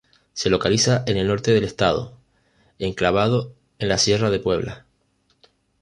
Se localiza en el norte del estado, enclavado en la Sierra de Puebla.